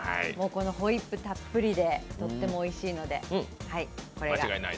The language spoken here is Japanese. このホイップたっぷりでとってもおいしいので。